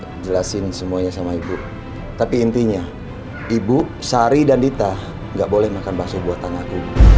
bisa jelasin semuanya sama ibu tapi intinya ibu sari dan dita nggak boleh makan bakso buat anak